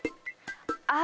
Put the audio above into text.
ああ！